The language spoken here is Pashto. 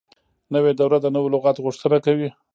نوې دوره د نوو لغاتو غوښتنه کوي.